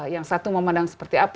yang satu memandang seperti apa